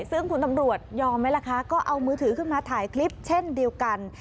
ซึ่งคุณตำรวจยอมไหมล่ะคะก็เอามือถือขึ้นมาถ่ายคลิปเช่นเดียวกัน